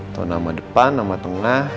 atau nama depan nama tengah